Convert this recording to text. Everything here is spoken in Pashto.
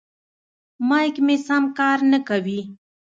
مایک مې سم کار نه کوي.